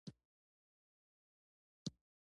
زه پر ټولنيزو ارزښتونو نه غږېږم.